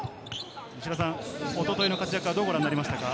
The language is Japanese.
おとといの活躍、どうご覧になりましたか？